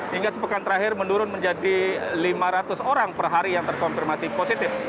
hingga sepekan terakhir menurun menjadi lima ratus orang per hari yang terkonfirmasi positif